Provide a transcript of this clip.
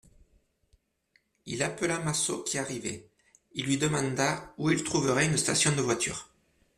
Il appela Massot qui arrivait, il lui demanda où il trouverait une station de voitures.